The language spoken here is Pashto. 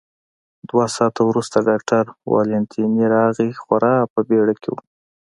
دوه ساعته وروسته ډاکټر والنتیني راغی، خورا په بېړه کې و.